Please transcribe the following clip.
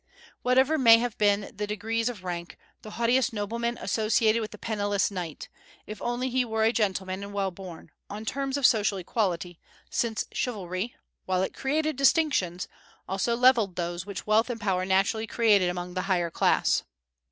Whatever may have been the degrees of rank, the haughtiest nobleman associated with the penniless knight, if only he were a gentleman and well born, on terms of social equality, since chivalry, while it created distinctions, also levelled those which wealth and power naturally created among the higher class.